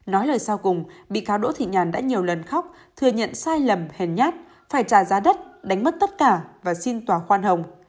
nói lời sau cùng bị cáo đỗ thị nhàn đã nhiều lần khóc thừa nhận sai lầm hèn nhát phải trả giá đất đánh mất tất cả và xin tòa khoan hồng